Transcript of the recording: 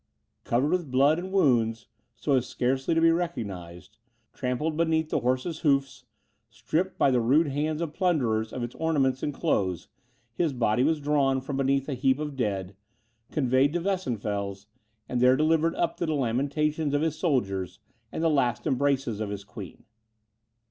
Covered with blood and wounds, so as scarcely to be recognised, trampled beneath the horses' hoofs, stripped by the rude hands of plunderers of its ornaments and clothes, his body was drawn from beneath a heap of dead, conveyed to Weissenfels, and there delivered up to the lamentations of his soldiers, and the last embraces of his queen.